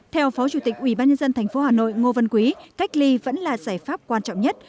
theo phó chủ tịch ubnd tp hà nội ngô văn quý cách ly vẫn là giải pháp quan trọng nhất